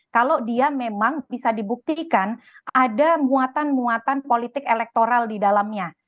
kalau dia memang bisa dibuktikan ada muatan muatan politik elektoral di dalamnya